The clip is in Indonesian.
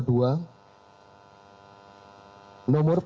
berikutnya nomor dua